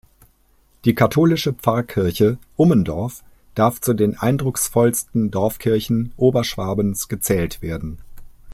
Die katholische Pfarrkirche Ummendorf darf zu den eindrucksvollsten Dorfkirchen Oberschwabens gezählt werden.